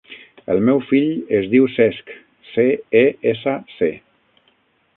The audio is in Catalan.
El meu fill es diu Cesc: ce, e, essa, ce.